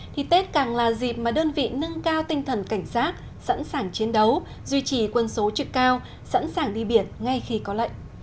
thì tết càng là dịp mà đơn vị nâng cao tinh thần cảnh giác sẵn sàng chiến đấu duy trì quân số trực cao sẵn sàng đi biển ngay khi có lệnh